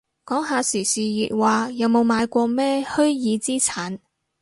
講下時事熱話，有冇買過咩虛擬資產